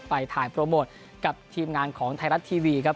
ไปถ่ายโปรโมทกับทีมงานของไทยรัฐทีวีครับ